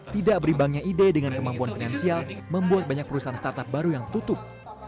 tidak beribangnya ide dengan kemampuan finansial membuat banyak perusahaan startup baru yang tutup